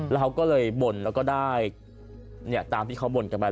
แล้วเขาก็เลยบ่นแล้วก็ได้ตามที่เขาบ่นกันไป